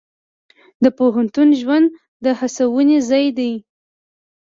د پوهنتون ژوند د هڅونې ځای دی.